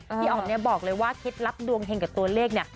อ๋อมเนี่ยบอกเลยว่าเคล็ดลับดวงเฮงกับตัวเลขเนี่ย